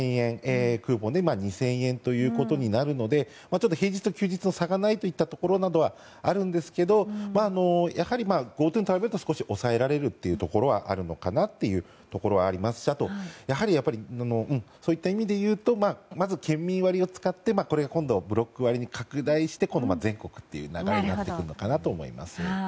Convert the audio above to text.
クーポンで２０００円ということになるので平日と休日の差がないといったところはあるんですけどやはりＧｏＴｏに比べると少し抑えられるところはあるのかなというところもありますしそういった意味でいうとまず県民割を使って今度はブロック割に拡大して今度は全国にという流れなのかなと思います。